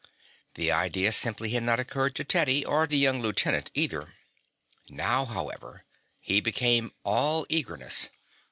The idea simply had not occurred to Teddy, or the young lieutenant, either. Now, however, he became all eagerness.